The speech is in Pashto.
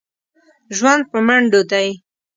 ژوند په منډو دی.